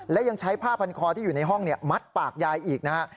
และยังใช้ผ้าพันคอที่อยู่ในห้องมัดปากยายอีกนะฮะ